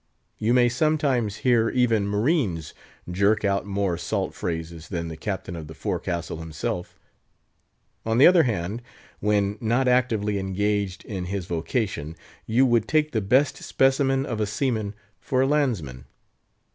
You may sometimes hear even marines jerk out more salt phrases than the Captain of the Forecastle himself. On the other hand, when not actively engaged in his vocation, you would take the best specimen of a seaman for a landsman.